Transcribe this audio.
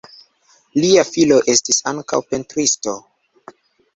Lia filo estis ankaŭ pentristo.